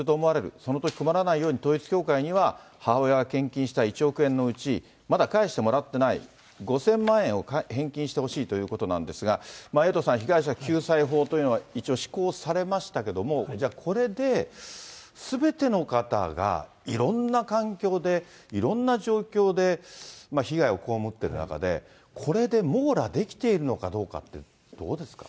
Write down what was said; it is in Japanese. そのとき困らないように、統一教会には、母親が献金した１億円のうち、まだ返してもらってない５０００万円を返金してほしいということなんですが、エイトさん、被害者救済法というのが一応施行されましたけれども、じゃあ、これで、すべての方が、いろんな環境で、いろんな状況で被害を被っている中で、これで網羅できているのかどうかって、どうですか。